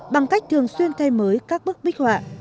bằng cách thường xuyên thay mới các bức bích họa